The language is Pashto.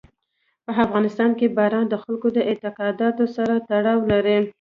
په افغانستان کې باران د خلکو د اعتقاداتو سره تړاو لري.